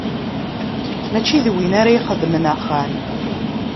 Mačči d win ara ixedmen axxam.